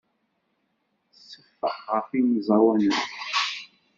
Tseffeq ɣef yemẓawanen.